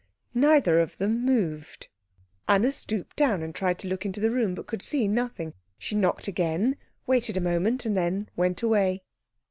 Neither of them moved. Anna stooped down, and tried to look into the room, but could see nothing. She knocked again; waited a moment; and then went away.